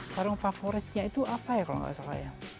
sarung favoritnya itu apa ya kalau nggak salah ya